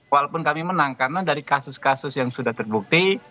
walaupun kami menang karena dari kasus kasus yang sudah terbukti